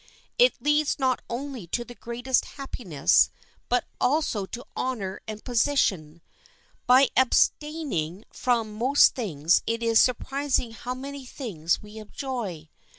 It leads not only to the greatest happiness, but also to honor and position. By abstaining from most things it is surprising how many things we enjoy.